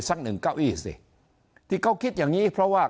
สักหนึ่งเก้าอี้สิที่เขาคิดอย่างงี้เพราะว่า